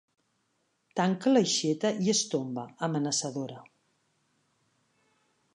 Tanca l'aixeta i es tomba, amenaçadora—.